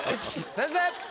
先生！